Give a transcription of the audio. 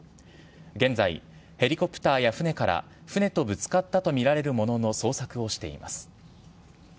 現在、ヘリコプターや船から、船とぶつかったと見られるものの捜索をしています。